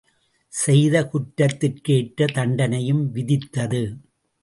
செய்த குற்றத்திற்கு ஏற்ற தண்டனையும் விதித்தது.